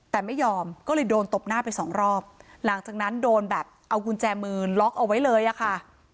แต่ไม่ยอมก็เลยโดนตบหน้าไปสองรอบหลังจากนั้นโดนแบบเอากุญแจมือล็อกเอาไว้เลยอะค่ะ